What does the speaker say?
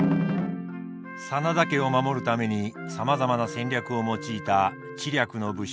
真田家を守るためにさまざまな戦略を用いた知略の武将昌幸。